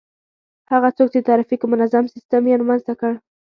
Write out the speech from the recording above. هغه څوک چي د ترافیکو منظم سیستم يې رامنځته کړ